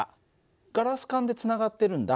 ガラス管でつながってるんだ。